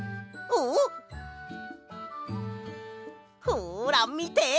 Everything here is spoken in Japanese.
ほらみて！